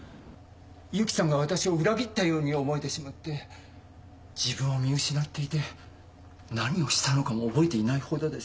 ゆきさんが私を裏切ったように思えてしまって自分を見失っていて何をしたのかも覚えていないほどです。